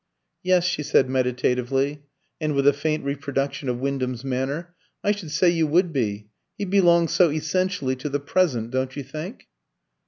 "Yes," she said meditatively, and with a faint reproduction of Wyndham's manner, "I should say you would be. He belongs so essentially to the present, don't you think?"